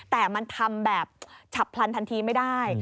แต่มันทำแบบฉับพลันทันทีไม่ได้